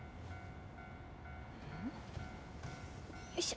よいしょ。